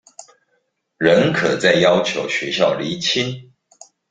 仍可再要求學校釐清